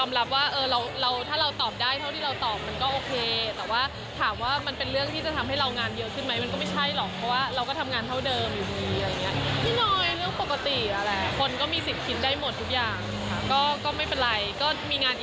กับวิทธิ์ใหม่มันเป็นงานที่ติดต่อมาก่อน